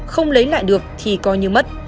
không lấy lại được thì coi như mất